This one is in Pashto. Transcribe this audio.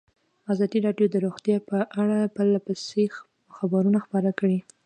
ازادي راډیو د روغتیا په اړه پرله پسې خبرونه خپاره کړي.